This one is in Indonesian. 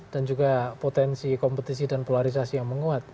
dan juga potensi kompetisi dan polarisasi yang menguat